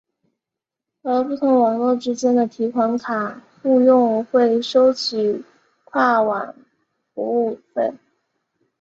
而不同网络之间的提款卡互用会收取跨网服务费。